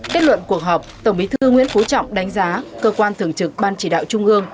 kết luận cuộc họp tổng bí thư nguyễn phú trọng đánh giá cơ quan thường trực ban chỉ đạo trung ương